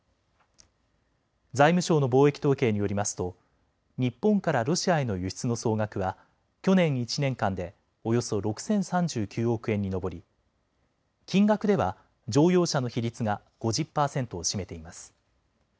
財務省の貿易統計によりますと日本からロシアへの輸出の総額は去年１年間でおよそ６０３９億円に上り金額では乗用車の比率が５０％を占めています。